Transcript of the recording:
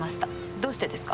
どうしてですか？